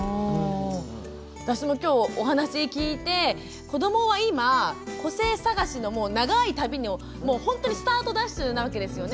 私もきょうお話聞いて子どもは今個性探しの長い旅のもうほんとにスタートダッシュなわけですよね。